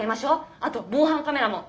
あと防犯カメラも。